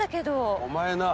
お前なぁ。